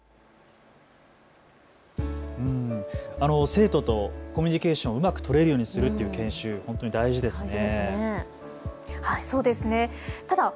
生徒とコミュニケーションをうまく取れるようにするという研修、本当に大事ですよね。